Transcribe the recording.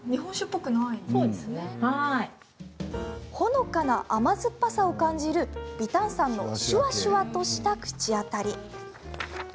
ほのかな甘酸っぱさを感じる微炭酸のシュワシュワとした口当たり。